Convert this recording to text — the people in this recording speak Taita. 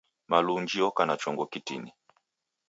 Malunji oka na chongo kitini.